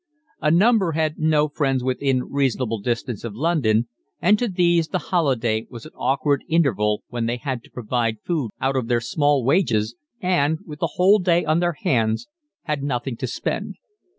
A number had no friends within reasonable distance of London, and to these the holiday was an awkward interval when they had to provide food out of their small wages and, with the whole day on their hands, had nothing to spend.